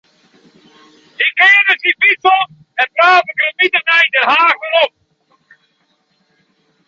Hy kearde syn fyts om en trape grimmitich nei Den Haach werom.